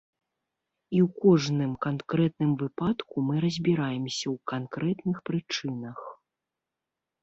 І ў кожным канкрэтным выпадку мы разбіраемся ў канкрэтных прычынах.